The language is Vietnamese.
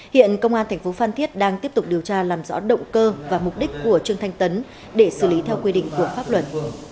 hiện công an thành phố phan thiết đang tiếp tục điều tra làm rõ động cơ và mục đích của trương thanh tấn để xử lý theo quy định của pháp luật